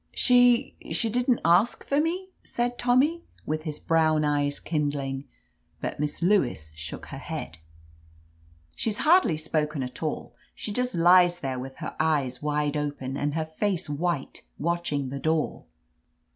"She — ^she didn't ask for me !" said Tommy, with his brown eyes kindling. But Miss Lewis shook her head. 24 OF LETITIA CARBERRY "She's hardly spoken at all. She just lies there with her leyes wide open and her face white, watching the door.